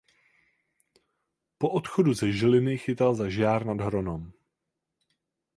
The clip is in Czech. Po odchodu ze Žiliny chytal za Žiar nad Hronom.